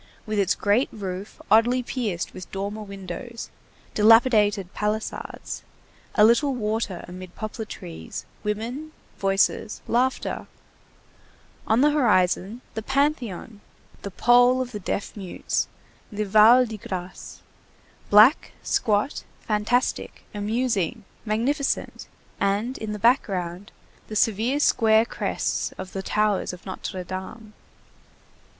with its great roof oddly pierced with dormer windows, dilapidated palisades, a little water amid poplar trees, women, voices, laughter; on the horizon the Panthéon, the pole of the Deaf Mutes, the Val de Grâce, black, squat, fantastic, amusing, magnificent, and in the background, the severe square crests of the towers of Notre Dame.